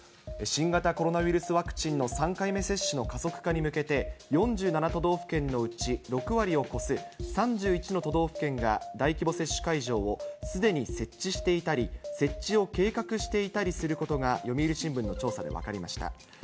新型コロナウイルスワクチンの３回目接種の加速化に向けて、４７都道府県のうち６割を超す３１の都道府県が、大規模接種会場をすでに設置していたり、設置を計画していたりすることが読売新聞の調査で分かりました。